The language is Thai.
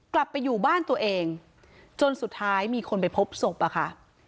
กลับไปอยู่บ้านตัวเองจนสุดท้ายมีคนไปพบศพอะค่ะ